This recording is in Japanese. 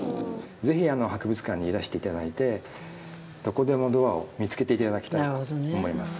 ぜひ博物館にいらして頂いてどこでもドアを見つけて頂きたいと思います。